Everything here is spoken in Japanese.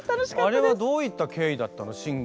あれはどういった経緯だったの慎吾。